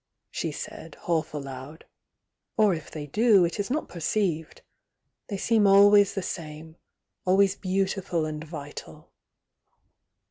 she said, half aloud. "Or U they do, it is not perceived. They seem always the same — always beautiful and vital."